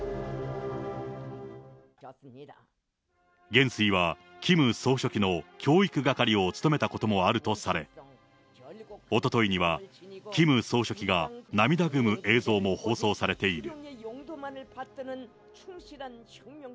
元帥はキム総書記の教育係を務めたこともあるとされ、おとといにはキム総書記が涙ぐむ映像も放送されている。